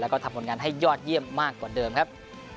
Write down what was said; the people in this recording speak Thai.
แล้วก็ทำผลงานให้ยอดเยี่ยมมากกว่าเดิมครับ